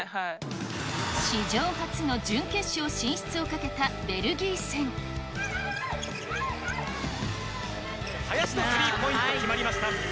史上初の準決勝進出をかけた林のスリーポイント、決まりました。